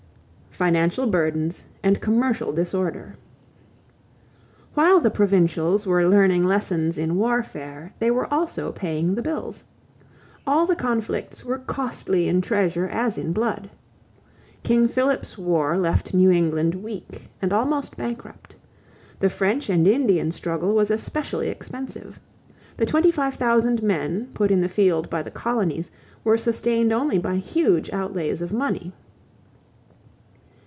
=Financial Burdens and Commercial Disorder.= While the provincials were learning lessons in warfare they were also paying the bills. All the conflicts were costly in treasure as in blood. King Philip's war left New England weak and almost bankrupt. The French and Indian struggle was especially expensive. The twenty five thousand men put in the field by the colonies were sustained only by huge outlays of money.